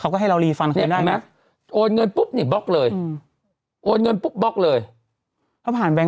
เพราะว่าถ้าเกิดเราโอนผ่านแบงค์